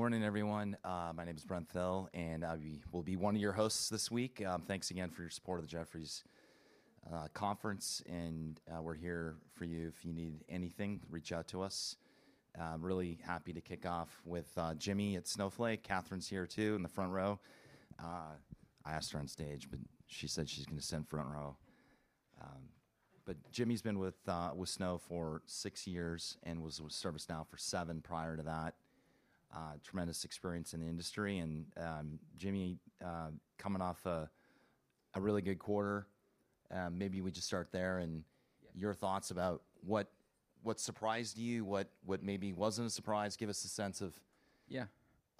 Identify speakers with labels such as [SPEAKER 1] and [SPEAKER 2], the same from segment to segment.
[SPEAKER 1] Good morning, everyone. My name is Brent Thill, and I will be one of your hosts this week. Thanks again for your support of the Jefferies Conference, and we're here for you. If you need anything, reach out to us. Really happy to kick off with Jimmy at Snowflake. Catherine's here too, in the front row. I asked her on stage, but she said she's going to sit in the front row. Jimmy's been with Snowflake for six years and was with ServiceNow for seven prior to that. Tremendous experience in the industry. Jimmy, coming off a really good quarter, maybe we just start there. Your thoughts about what surprised you, what maybe was not a surprise? Give us a sense of.
[SPEAKER 2] Yeah.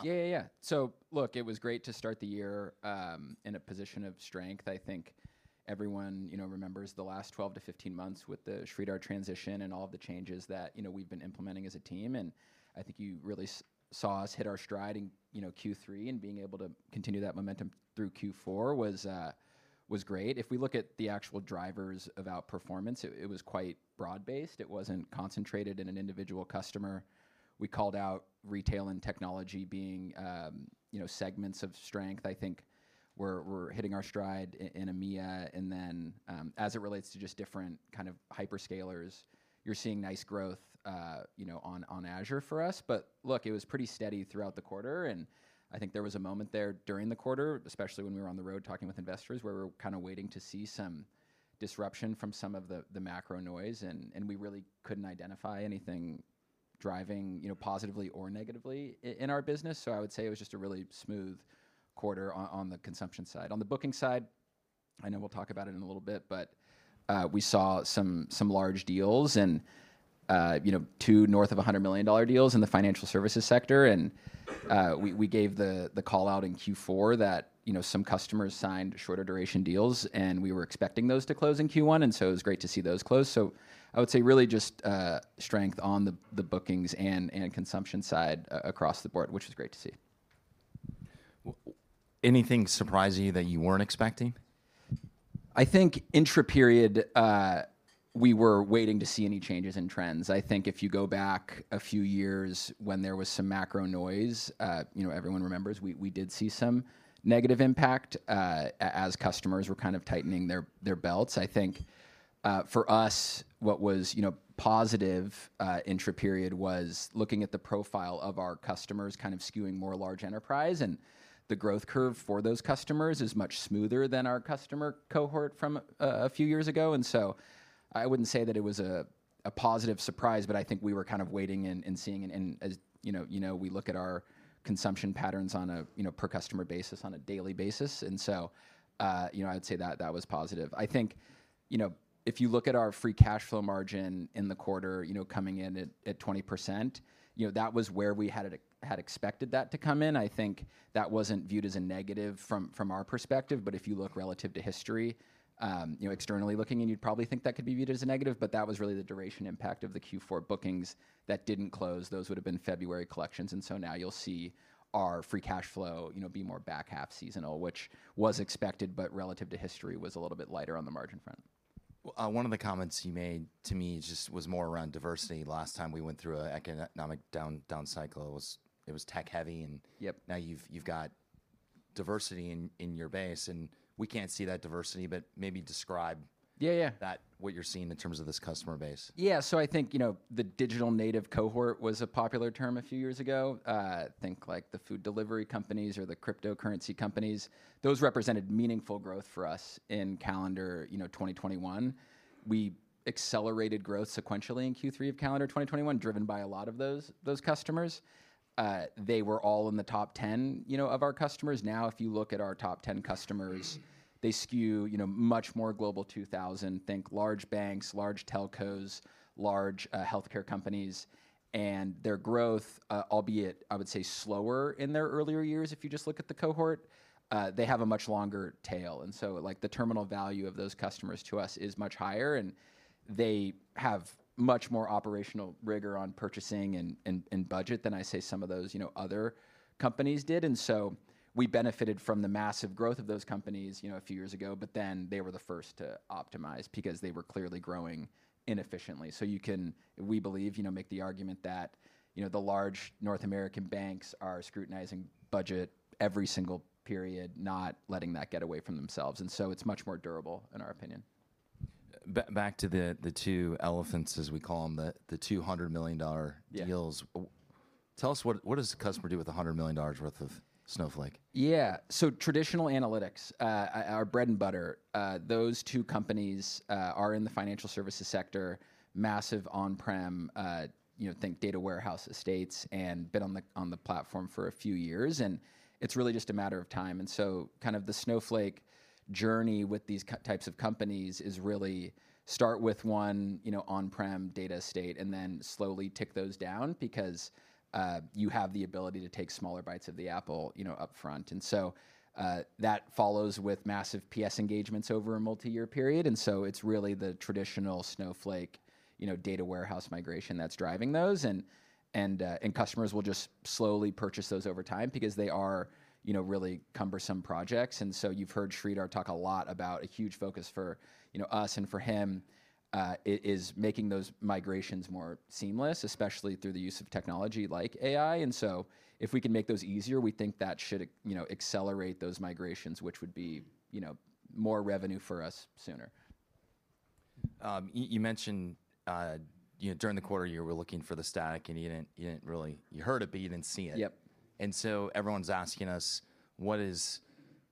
[SPEAKER 2] Yeah, yeah, yeah. So look, it was great to start the year in a position of strength. I think everyone remembers the last 12 to 15 months with the Sridhar transition and all of the changes that we've been implementing as a team. I think you really saw us hit our stride in Q3, and being able to continue that momentum through Q4 was great. If we look at the actual drivers of our performance, it was quite broad-based. It wasn't concentrated in an individual customer. We called out retail and technology being segments of strength. I think we're hitting our stride in EMEA. And then as it relates to just different kind of hyperscalers, you're seeing nice growth on Azure for us. It was pretty steady throughout the quarter. I think there was a moment there during the quarter, especially when we were on the road talking with investors, where we were kind of waiting to see some disruption from some of the macro noise. We really could not identify anything driving positively or negatively in our business. I would say it was just a really smooth quarter on the consumption side. On the booking side, I know we will talk about it in a little bit, but we saw some large deals and two north of $100 million deals in the financial services sector. We gave the call out in Q4 that some customers signed shorter duration deals, and we were expecting those to close in Q1. It was great to see those close. I would say really just strength on the bookings and consumption side across the board, which was great to see.
[SPEAKER 1] Anything surprise you that you weren't expecting?
[SPEAKER 2] I think intra-period, we were waiting to see any changes in trends. I think if you go back a few years when there was some macro noise, everyone remembers we did see some negative impact as customers were kind of tightening their belts. I think for us, what was positive intra-period was looking at the profile of our customers kind of skewing more large enterprise. The growth curve for those customers is much smoother than our customer cohort from a few years ago. I would not say that it was a positive surprise, but I think we were kind of waiting and seeing. As you know, we look at our consumption patterns on a per-customer basis on a daily basis. I would say that that was positive. I think if you look at our free cash flow margin in the quarter coming in at 20%, that was where we had expected that to come in. I think that was not viewed as a negative from our perspective. If you look relative to history, externally looking, you'd probably think that could be viewed as a negative. That was really the duration impact of the Q4 bookings that did not close. Those would have been February collections. You will see our free cash flow be more back half seasonal, which was expected, but relative to history, was a little bit lighter on the margin front.
[SPEAKER 1] One of the comments you made to me just was more around diversity. Last time we went through an economic down cycle, it was tech heavy. Now you've got diversity in your base. We can't see that diversity, but maybe describe what you're seeing in terms of this customer base.
[SPEAKER 2] Yeah. I think the digital native cohort was a popular term a few years ago. I think the food delivery companies or the cryptocurrency companies, those represented meaningful growth for us in calendar 2021. We accelerated growth sequentially in Q3 of calendar 2021, driven by a lot of those customers. They were all in the top 10 of our customers. Now, if you look at our top 10 customers, they skew much more Global 2000. Think large banks, large telcos, large healthcare companies. Their growth, albeit, I would say, slower in their earlier years, if you just look at the cohort, they have a much longer tail. The terminal value of those customers to us is much higher. They have much more operational rigor on purchasing and budget than I say some of those other companies did. We benefited from the massive growth of those companies a few years ago. They were the first to optimize because they were clearly growing inefficiently. You can, we believe, make the argument that the large North American banks are scrutinizing budget every single period, not letting that get away from themselves. It is much more durable, in our opinion.
[SPEAKER 1] Back to the two elephants, as we call them, the $200 million deals. Tell us, what does a customer do with $100 million worth of Snowflake?
[SPEAKER 2] Yeah. Traditional analytics, our bread and butter. Those two companies are in the financial services sector, massive on-prem, think data warehouse estates, and been on the platform for a few years. It is really just a matter of time. The Snowflake journey with these types of companies is really start with one on-prem data estate and then slowly tick those down because you have the ability to take smaller bites of the apple upfront. That follows with massive PS engagements over a multi-year period. It is really the traditional Snowflake data warehouse migration that is driving those. Customers will just slowly purchase those over time because they are really cumbersome projects. You have heard Sridhar talk a lot about a huge focus for us and for him is making those migrations more seamless, especially through the use of technology like AI. If we can make those easier, we think that should accelerate those migrations, which would be more revenue for us sooner.
[SPEAKER 1] You mentioned during the quarter year, we're looking for the static, and you didn't really hear it, but you didn't see it.
[SPEAKER 2] Yep.
[SPEAKER 1] Everyone's asking us, what is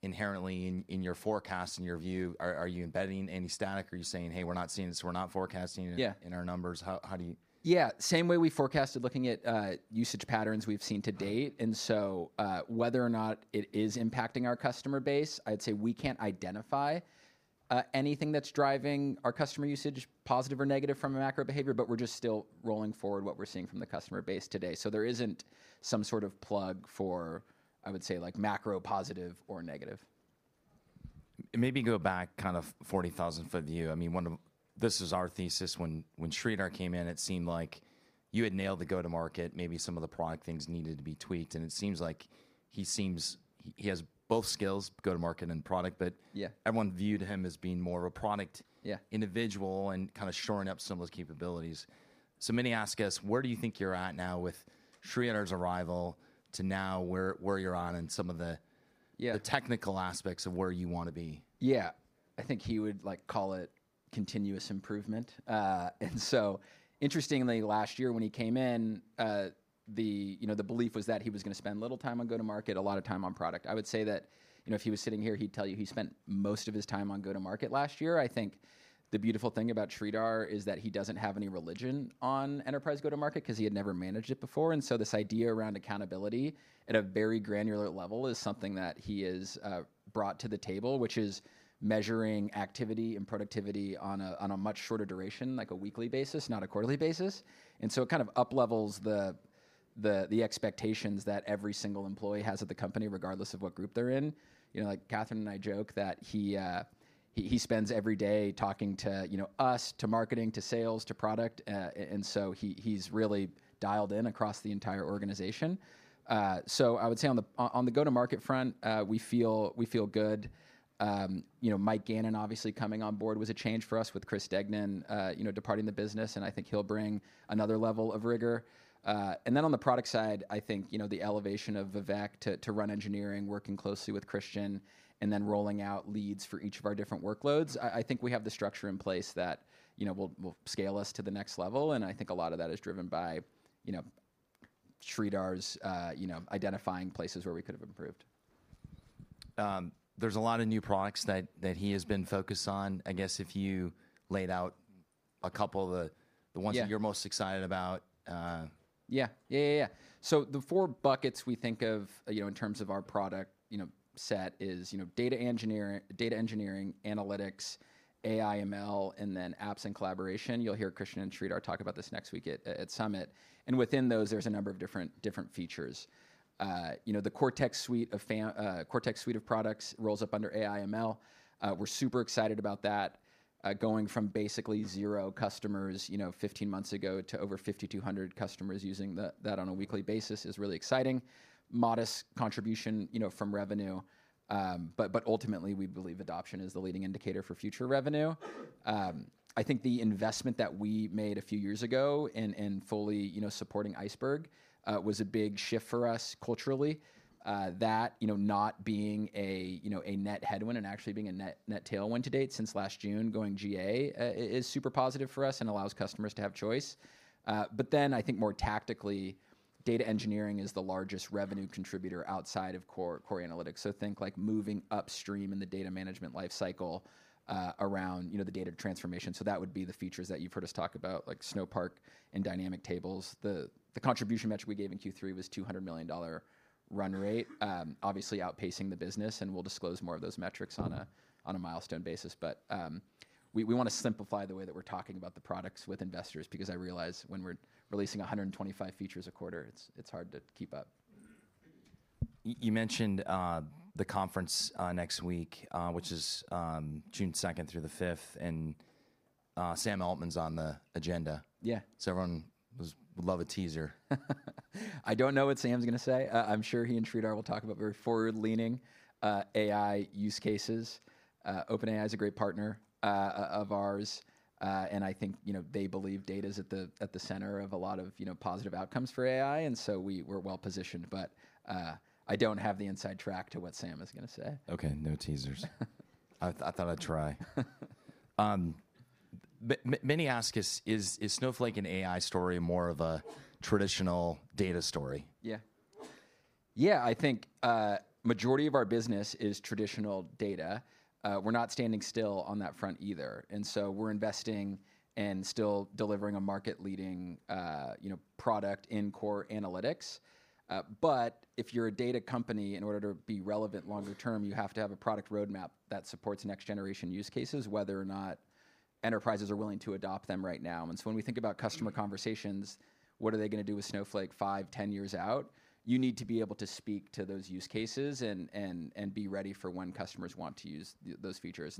[SPEAKER 1] inherently in your forecast, in your view? Are you embedding any static? Are you saying, hey, we're not seeing this, we're not forecasting in our numbers?
[SPEAKER 2] Yeah.
[SPEAKER 1] How do you?
[SPEAKER 2] Yeah. Same way we forecasted looking at usage patterns we've seen to date. Whether or not it is impacting our customer base, I'd say we can't identify anything that's driving our customer usage, positive or negative, from a macro behavior. We're just still rolling forward what we're seeing from the customer base today. There isn't some sort of plug for, I would say, macro positive or negative.
[SPEAKER 1] Maybe go back kind of 40,000-foot view. I mean, this is our thesis. When Sridhar came in, it seemed like you had nailed the go-to-market. Maybe some of the product things needed to be tweaked. It seems like he has both skills, go-to-market and product. Everyone viewed him as being more of a product individual and kind of shoring up some of those capabilities. So many ask us, where do you think you're at now with Sridhar's arrival to now where you're on and some of the technical aspects of where you want to be?
[SPEAKER 2] Yeah. I think he would call it continuous improvement. Interestingly, last year when he came in, the belief was that he was going to spend little time on go-to-market, a lot of time on product. I would say that if he was sitting here, he'd tell you he spent most of his time on go-to-market last year. I think the beautiful thing about Sridhar is that he does not have any religion on enterprise go-to-market because he had never managed it before. This idea around accountability at a very granular level is something that he has brought to the table, which is measuring activity and productivity on a much shorter duration, like a weekly basis, not a quarterly basis. It kind of uplevels the expectations that every single employee has at the company, regardless of what group they are in. Catherine and I joke that he spends every day talking to us, to marketing, to sales, to product. He is really dialed in across the entire organization. I would say on the go-to-market front, we feel good. Mike Gannon, obviously, coming on board was a change for us with Chris Degnan departing the business. I think he'll bring another level of rigor. On the product side, I think the elevation of Vivek to run engineering, working closely with Christian, and then rolling out leads for each of our different workloads. I think we have the structure in place that will scale us to the next level. I think a lot of that is driven by Sridhar's identifying places where we could have improved.
[SPEAKER 1] There's a lot of new products that he has been focused on. I guess if you laid out a couple of the ones that you're most excited about.
[SPEAKER 2] Yeah. Yeah, yeah, yeah. The four buckets we think of in terms of our product set is data engineering, analytics, AI/ML, and then apps and collaboration. You'll hear Christian and Sridhar talk about this next week at Summit. Within those, there's a number of different features. The Cortex suite of products rolls up under AI/ML. We're super excited about that. Going from basically zero customers 15 months ago to over 5,200 customers using that on a weekly basis is really exciting. Modest contribution from revenue. Ultimately, we believe adoption is the leading indicator for future revenue. I think the investment that we made a few years ago in fully supporting Iceberg was a big shift for us culturally. That not being a net headwind and actually being a net tailwind to date since last June, going GA is super positive for us and allows customers to have choice. I think more tactically, data engineering is the largest revenue contributor outside of core analytics. Think moving upstream in the data management lifecycle around the data transformation. That would be the features that you've heard us talk about, like Snowpark and Dynamic Tables. The contribution metric we gave in Q3 was $200 million run rate, obviously outpacing the business. We'll disclose more of those metrics on a milestone basis. We want to simplify the way that we're talking about the products with investors because I realize when we're releasing 125 features a quarter, it's hard to keep up.
[SPEAKER 1] You mentioned the conference next week, which is June 2nd through the 5th. Sam Altman's on the agenda.
[SPEAKER 2] Yeah.
[SPEAKER 1] Everyone would love a teaser.
[SPEAKER 2] I don't know what Sam's going to say. I'm sure he and Sridhar will talk about very forward-leaning AI use cases. OpenAI is a great partner of ours. I think they believe data is at the center of a lot of positive outcomes for AI. We are well positioned. I don't have the inside track to what Sam is going to say.
[SPEAKER 1] OK, no teasers. I thought I'd try. Many ask us, is Snowflake an AI story or more of a traditional data story?
[SPEAKER 2] Yeah. Yeah, I think majority of our business is traditional data. We're not standing still on that front either. We are investing and still delivering a market-leading product in core analytics. If you're a data company, in order to be relevant longer term, you have to have a product roadmap that supports next-generation use cases, whether or not enterprises are willing to adopt them right now. When we think about customer conversations, what are they going to do with Snowflake 5, 10 years out? You need to be able to speak to those use cases and be ready for when customers want to use those features.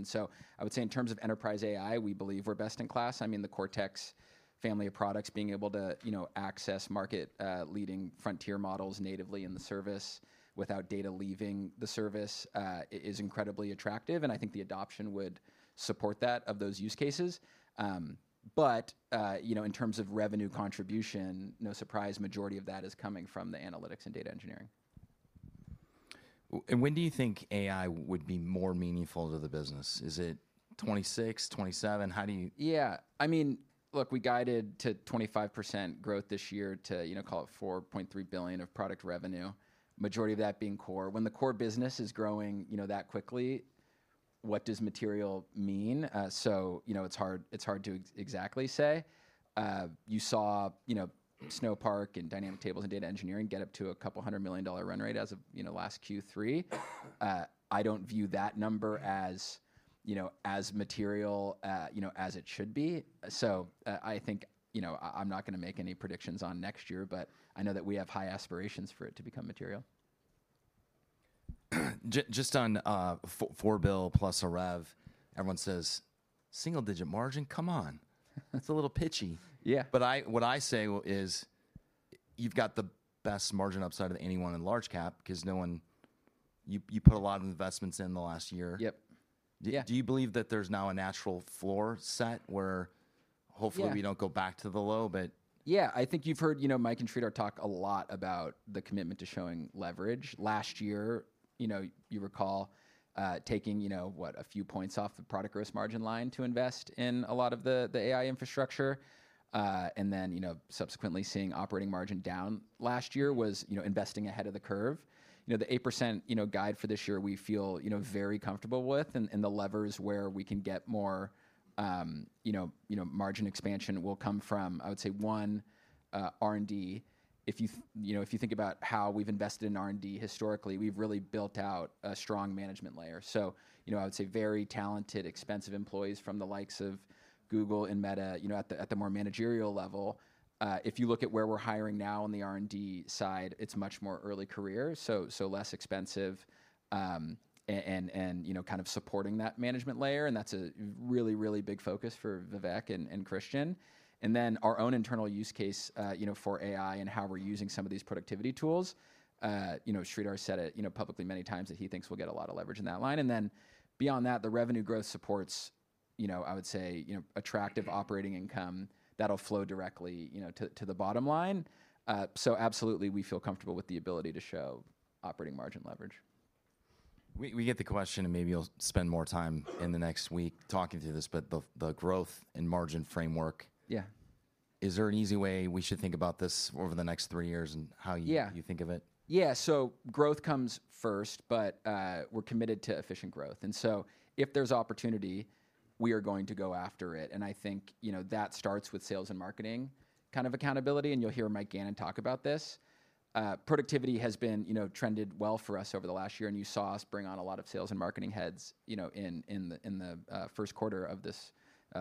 [SPEAKER 2] I would say in terms of enterprise AI, we believe we're best in class. I mean, the Cortex family of products, being able to access market-leading frontier models natively in the service without data leaving the service is incredibly attractive. I think the adoption would support that of those use cases. In terms of revenue contribution, no surprise, majority of that is coming from the analytics and data engineering.
[SPEAKER 1] When do you think AI would be more meaningful to the business? Is it 2026, 2027? How do you?
[SPEAKER 2] Yeah. I mean, look, we guided to 25% growth this year to call it $4.3 billion of product revenue, majority of that being core. When the core business is growing that quickly, what does material mean? It's hard to exactly say. You saw Snowpark and Dynamic Tables and data engineering get up to a couple hundred million dollar run rate as of last Q3. I don't view that number as material as it should be. I think I'm not going to make any predictions on next year. I know that we have high aspirations for it to become material.
[SPEAKER 1] Just on Forbill plus a rev, everyone says, single-digit margin, come on. That's a little pitchy.
[SPEAKER 2] Yeah.
[SPEAKER 1] What I say is you've got the best margin upside of anyone in large cap because you put a lot of investments in the last year.
[SPEAKER 2] Yep.
[SPEAKER 1] Do you believe that there's now a natural floor set where hopefully we don't go back to the low?
[SPEAKER 2] Yeah. I think you've heard Mike and Sridhar talk a lot about the commitment to showing leverage. Last year, you recall taking, what, a few points off the product gross margin line to invest in a lot of the AI infrastructure. Subsequently, seeing operating margin down last year was investing ahead of the curve. The 8% guide for this year we feel very comfortable with. The levers where we can get more margin expansion will come from, I would say, one, R&D. If you think about how we've invested in R&D historically, we've really built out a strong management layer. I would say very talented, expensive employees from the likes of Google and Meta at the more managerial level. If you look at where we're hiring now on the R&D side, it's much more early career. Less expensive and kind of supporting that management layer. That is a really, really big focus for Vivek and Christian. Then our own internal use case for AI and how we're using some of these productivity tools. Sridhar said it publicly many times that he thinks we'll get a lot of leverage in that line. Beyond that, the revenue growth supports, I would say, attractive operating income that'll flow directly to the bottom line. Absolutely, we feel comfortable with the ability to show operating margin leverage.
[SPEAKER 1] We get the question, and maybe you'll spend more time in the next week talking through this. But the growth and margin framework, is there an easy way we should think about this over the next three years and how you think of it?
[SPEAKER 2] Yeah. Growth comes first. We are committed to efficient growth. If there is opportunity, we are going to go after it. I think that starts with sales and marketing accountability. You will hear Mike Gannon talk about this. Productivity has trended well for us over the last year. You saw us bring on a lot of sales and marketing heads in the first quarter of this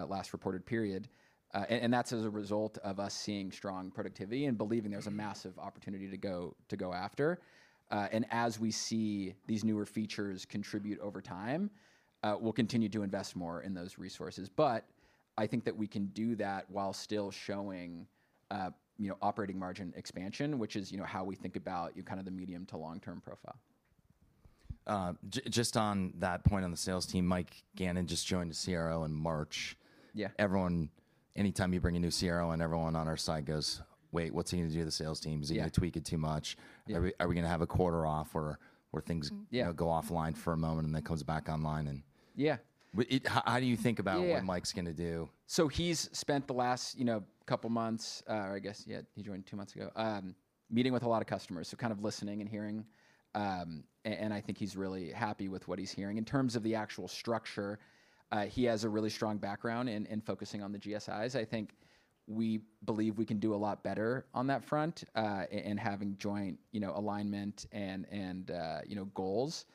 [SPEAKER 2] last reported period. That is as a result of us seeing strong productivity and believing there is a massive opportunity to go after. As we see these newer features contribute over time, we will continue to invest more in those resources. I think that we can do that while still showing operating margin expansion, which is how we think about the medium to long-term profile.
[SPEAKER 1] Just on that point on the sales team, Mike Gannon just joined the CRO in March. Anytime you bring a new CRO in, everyone on our side goes, wait, what's he going to do to the sales team? Is he going to tweak it too much? Are we going to have a quarter off where things go offline for a moment and then comes back online? How do you think about what Mike's going to do?
[SPEAKER 2] He's spent the last couple months, or I guess he joined two months ago, meeting with a lot of customers. Kind of listening and hearing. I think he's really happy with what he's hearing. In terms of the actual structure, he has a really strong background in focusing on the GSIs. I think we believe we can do a lot better on that front in having joint alignment and goals.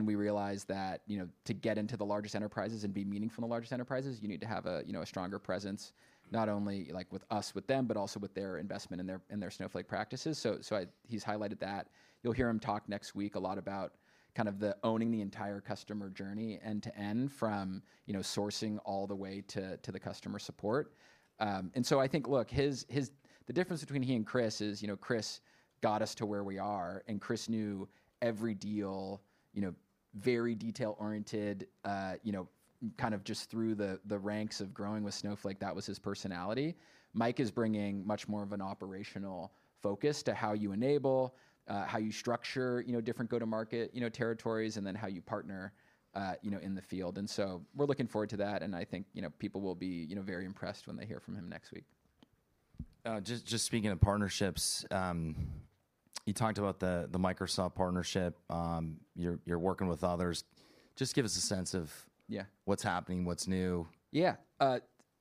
[SPEAKER 2] We realize that to get into the largest enterprises and be meaningful in the largest enterprises, you need to have a stronger presence, not only with us, with them, but also with their investment in their Snowflake practices. He's highlighted that. You'll hear him talk next week a lot about kind of owning the entire customer journey end to end from sourcing all the way to the customer support. I think, look, the difference between he and Chris is Chris got us to where we are. Chris knew every deal, very detail-oriented, kind of just through the ranks of growing with Snowflake. That was his personality. Mike is bringing much more of an operational focus to how you enable, how you structure different go-to-market territories, and then how you partner in the field. We are looking forward to that. I think people will be very impressed when they hear from him next week.
[SPEAKER 1] Just speaking of partnerships, you talked about the Microsoft partnership. You're working with others. Just give us a sense of what's happening, what's new.
[SPEAKER 2] Yeah.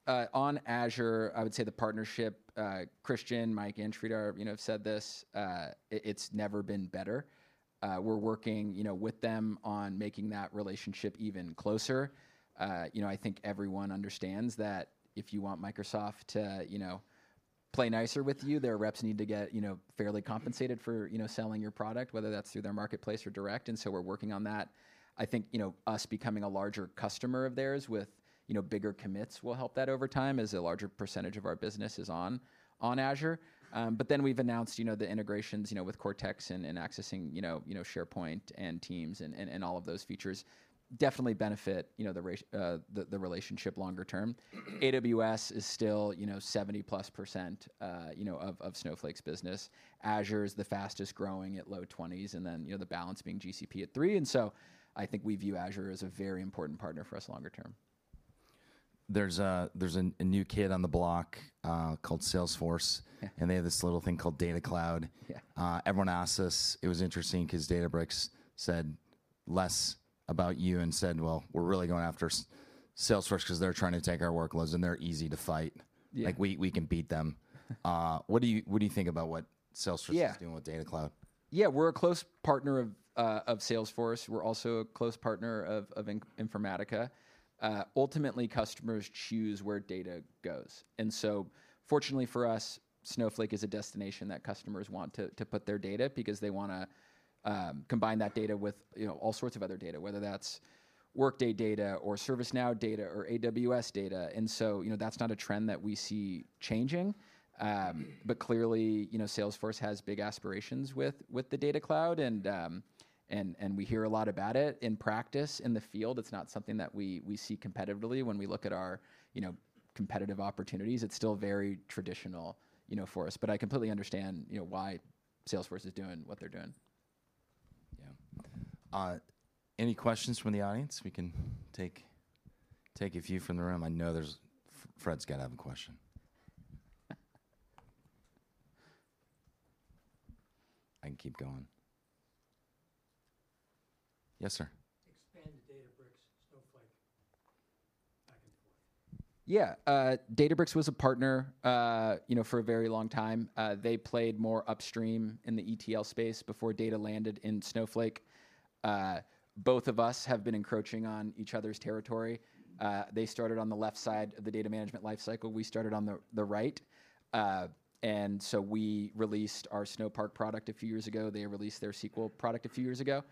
[SPEAKER 2] On Azure, I would say the partnership, Christian, Mike, and Sridhar have said this, it's never been better. We're working with them on making that relationship even closer. I think everyone understands that if you want Microsoft to play nicer with you, their reps need to get fairly compensated for selling your product, whether that's through their marketplace or direct. We're working on that. I think us becoming a larger customer of theirs with bigger commits will help that over time as a larger percentage of our business is on Azure. We have announced the integrations with Cortex and accessing SharePoint and Teams and all of those features definitely benefit the relationship longer term. AWS is still 70% plus of Snowflake's business. Azure is the fastest growing at low 20%, and the balance being GCP at 3%. I think we view Azure as a very important partner for us longer term.
[SPEAKER 1] There's a new kid on the block called Salesforce. They have this little thing called Data Cloud. Everyone asks us, it was interesting because Databricks said less about you and said, we're really going after Salesforce because they're trying to take our workloads. They're easy to fight. We can beat them. What do you think about what Salesforce is doing with Data Cloud?
[SPEAKER 2] Yeah. We're a close partner of Salesforce. We're also a close partner of Informatica. Ultimately, customers choose where data goes. Fortunately for us, Snowflake is a destination that customers want to put their data because they want to combine that data with all sorts of other data, whether that's Workday data or ServiceNow data or AWS data. That's not a trend that we see changing. Clearly, Salesforce has big aspirations with the Data Cloud. We hear a lot about it in practice, in the field. It's not something that we see competitively when we look at our competitive opportunities. It's still very traditional for us. I completely understand why Salesforce is doing what they're doing.
[SPEAKER 1] Yeah. Any questions from the audience? We can take a few from the room. I know Fred's got to have a question. I can keep going. Yes, sir. Expanded Databricks Snowflake back into what?
[SPEAKER 2] Yeah. Databricks was a partner for a very long time. They played more upstream in the ETL space before data landed in Snowflake. Both of us have been encroaching on each other's territory. They started on the left side of the data management lifecycle. We started on the right. We released our Snowpark product a few years ago. They released their SQL product a few years ago.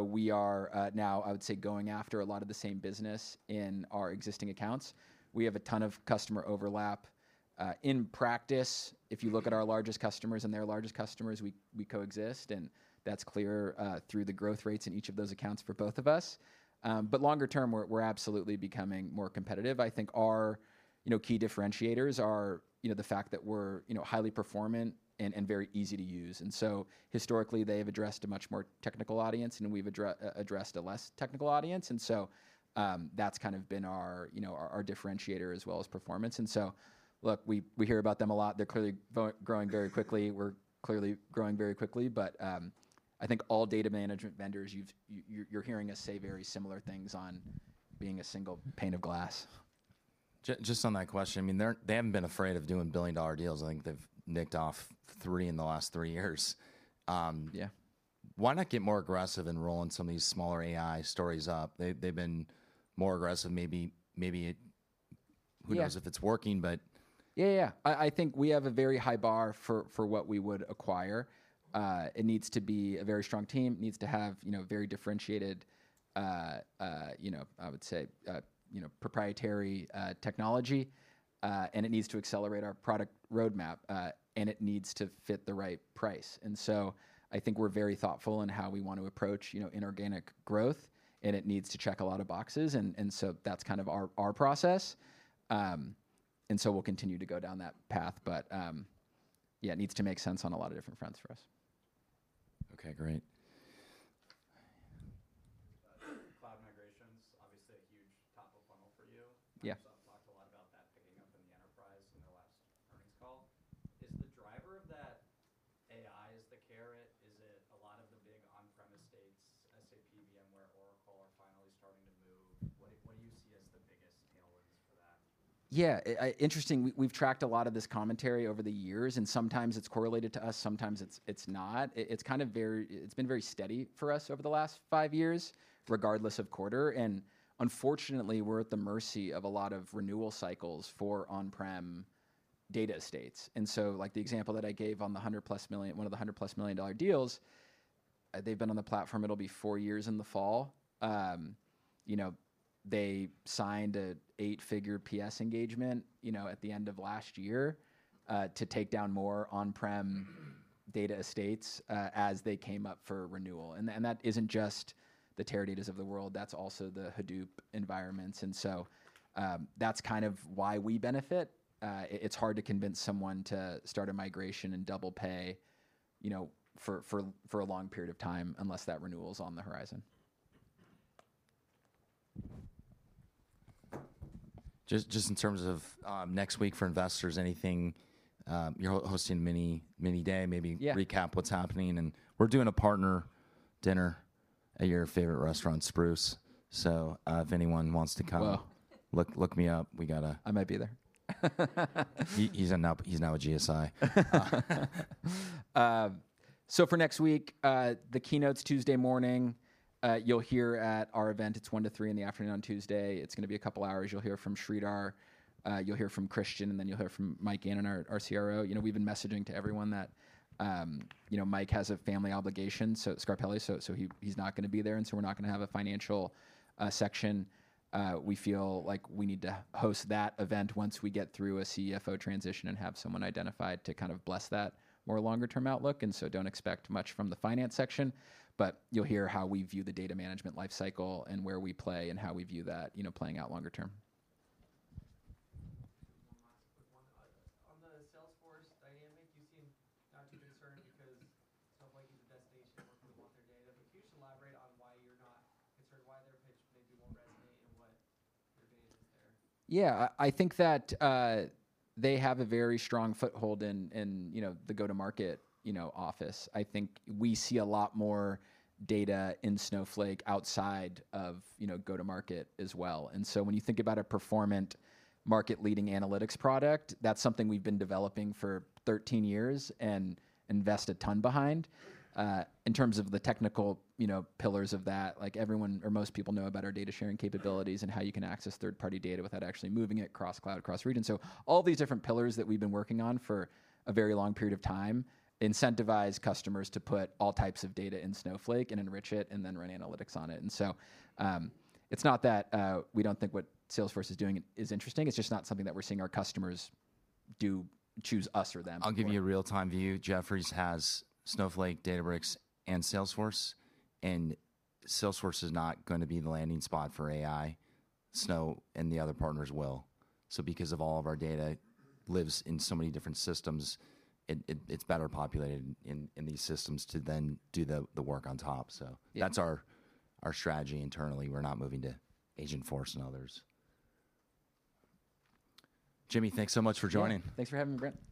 [SPEAKER 2] We are now, I would say, going after a lot of the same business in our existing accounts. We have a ton of customer overlap. In practice, if you look at our largest customers and their largest customers, we coexist. That is clear through the growth rates in each of those accounts for both of us. Longer term, we are absolutely becoming more competitive. I think our key differentiators are the fact that we're highly performant and very easy to use. Historically, they have addressed a much more technical audience. We've addressed a less technical audience. That's kind of been our differentiator as well as performance. Look, we hear about them a lot. They're clearly growing very quickly. We're clearly growing very quickly. I think all data management vendors, you're hearing us say very similar things on being a single pane of glass.
[SPEAKER 1] Just on that question, I mean, they haven't been afraid of doing billion-dollar deals. I think they've nicked off three in the last three years.
[SPEAKER 2] Yeah.
[SPEAKER 1] Why not get more aggressive and roll in some of these smaller AI stories up? They've been more aggressive. Maybe who knows if it's working, but.
[SPEAKER 2] Yeah, yeah, yeah. I think we have a very high bar for what we would acquire. It needs to be a very strong team. It needs to have very differentiated, I would say, proprietary technology. It needs to accelerate our product roadmap. It needs to fit the right price. I think we're very thoughtful in how we want to approach inorganic growth. It needs to check a lot of boxes. That's kind of our process. We'll continue to go down that path. Yeah, it needs to make sense on a lot of different fronts for us.
[SPEAKER 1] OK, great. Cloud migrations, obviously a huge top of funnel for you. Microsoft talked a lot about that picking up in the enterprise in their last earnings call. Is the driver of that AI, is the carrot? Is it a lot of the big on-premise estates, SAP, VMware, Oracle, are finally starting to move? What do you see as the biggest tailwinds for that?
[SPEAKER 2] Yeah, interesting. We've tracked a lot of this commentary over the years. Sometimes it's correlated to us. Sometimes it's not. It's been very steady for us over the last five years, regardless of quarter. Unfortunately, we're at the mercy of a lot of renewal cycles for on-prem data estates. Like the example that I gave on the $100+ million deal, they've been on the platform, it'll be four years in the fall. They signed an eight-figure PS engagement at the end of last year to take down more on-prem data estates as they came up for renewal. That isn't just the Teradata's of the world. That's also the Hadoop environments. That's kind of why we benefit. It's hard to convince someone to start a migration and double pay for a long period of time unless that renewal is on the horizon.
[SPEAKER 1] Just in terms of next week for investors, anything you're hosting mini day, maybe recap what's happening. We're doing a partner dinner at your favorite restaurant, Spruce. If anyone wants to kind of look me up, we got a.
[SPEAKER 2] I might be there.
[SPEAKER 1] He's now a GSI.
[SPEAKER 2] For next week, the keynotes Tuesday morning, you'll hear at our event. It's 1:00 to 3:00 in the afternoon on Tuesday. It's going to be a couple hours. You'll hear from Sridhar. You'll hear from Christian. And then you'll hear from Mike Gannon, our CRO. We've been messaging to everyone that Mike has a family obligation, Scarpelli. So he's not going to be there. And so we're not going to have a financial section. We feel like we need to host that event once we get through a CFO transition and have someone identified to kind of bless that more longer-term outlook. And so don't expect much from the finance section. But you'll hear how we view the data management lifecycle and where we play and how we view that playing out longer term. One last quick one. On the Salesforce dynamic, you seem not too concerned because Snowflake is a destination where people want their data. Can you just elaborate on why you're not concerned, why their pitch maybe won't resonate, and what your data is there? Yeah. I think that they have a very strong foothold in the go-to-market office. I think we see a lot more data in Snowflake outside of go-to-market as well. When you think about a performant market-leading analytics product, that's something we've been developing for 13 years and invest a ton behind. In terms of the technical pillars of that, like everyone or most people know about our data sharing capabilities and how you can access third-party data without actually moving it across cloud, across region. All these different pillars that we've been working on for a very long period of time incentivize customers to put all types of data in Snowflake and enrich it and then run analytics on it. It's not that we don't think what Salesforce is doing is interesting. It's just not something that we're seeing our customers choose us or them.
[SPEAKER 1] I'll give you a real-time view. Jefferies has Snowflake, Databricks, and Salesforce. Salesforce is not going to be the landing spot for AI. Snow and the other partners will. Because all of our data lives in so many different systems, it's better populated in these systems to then do the work on top. That's our strategy internally. We're not moving to Agentforce and others. Jimmy, thanks so much for joining.
[SPEAKER 2] Thanks for having me, Brent.